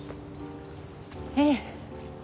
ええ。